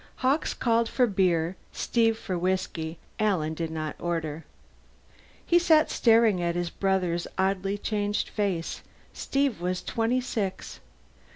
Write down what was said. Hawkes called for beer, Steve for whiskey; Alan did not order. He sat staring at his brother's oddly changed face. Steve was twenty six.